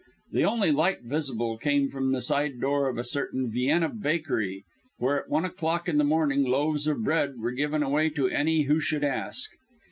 The only light visible came from the side door of a certain "Vienna" bakery, where at one o'clock in the morning loaves of bread were given away to any who should ask.